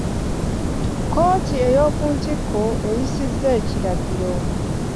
Kkooti ey'oku ntikko eyisizza ekiragiro.